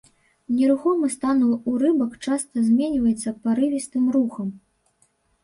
Нерухомы стан у рыбак часта зменьваецца парывістым рухам.